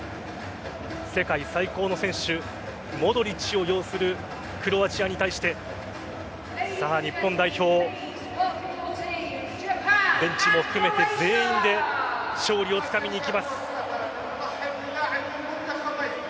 世界最高の選手モドリッチを擁するクロアチアに対して日本代表ベンチも含めて全員で勝利をつかみにいきます。